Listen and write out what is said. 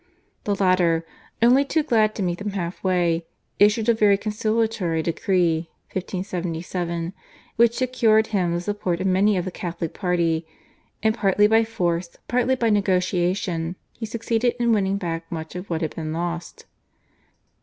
The latter, only too glad to meet them half way, issued a very conciliatory decree (1577), which secured him the support of many of the Catholic party, and partly by force, partly by negotiation he succeeded in winning back much of what had been lost.